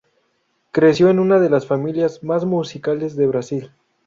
Creció en una de las familias más musicales de Brasil.